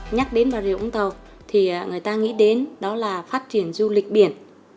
nhắc đến bà rịa vũng tàu thì người ta nghĩ đến đó là phát triển du lịch biển